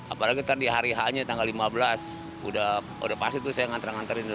apalagi kan di hari hanya tanggal lima belas udah pasti tuh saya ngantar ngantarin